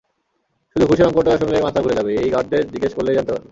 শুধু ঘুষের অংকটা শুনলেই মাথা ঘুরে যাবে, এই গার্ডদের জিজ্ঞেস করলেই জানতে পারবে।